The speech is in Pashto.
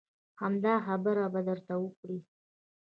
همدا خبره به درته وکړي.